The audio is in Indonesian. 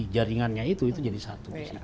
jaringannya itu itu jadi satu